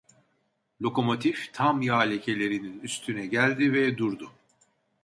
Lokomotif tam yağ lekelerinin üstüne geldi ve durdu.